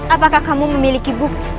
apakah kamu memiliki bukti